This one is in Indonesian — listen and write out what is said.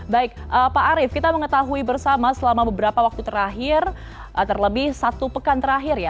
baik pak arief kita mengetahui bersama selama beberapa waktu terakhir terlebih satu pekan terakhir ya